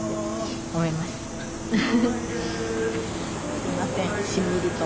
すみませんしんみりと。